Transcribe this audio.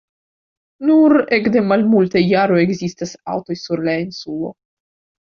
Nur ekde malmultaj jaroj ekzistas aŭtoj sur la insulo.